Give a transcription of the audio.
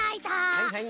はいはい。